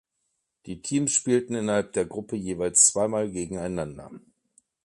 Die Teams spielten innerhalb der Gruppe jeweils zweimal gegeneinander.